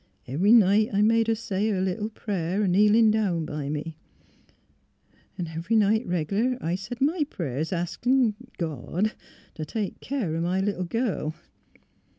Every night I made her say her little prayer, a kneelin' down by me. 'N' every night reg'lar, I said my prayers, askin' — God — t' — t' take care o' my little girl.